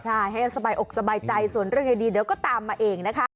ใช่ให้สบายอกสบายใจส่วนเรื่องดีเดี๋ยวก็ตามมาเองนะคะ